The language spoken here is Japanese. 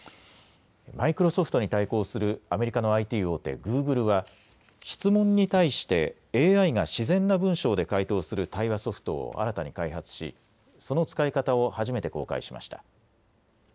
マイクロソフトに対抗するアメリカのＩＴ大手、グーグルは質問に対してＡＩが自然な文章で回答する対話ソフトを新たに開発し、その使い方を初めて公開しました。